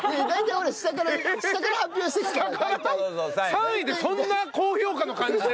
３位でそんな高評価の感じで？